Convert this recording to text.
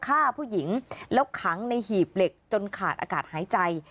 ฆ่าผู้หญิงแล้วขังในหีบเหล็กจนขาดอากาศหายใจ